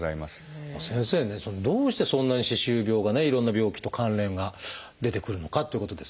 先生ねどうしてそんなに歯周病がねいろんな病気と関連が出てくるのかっていうことですが。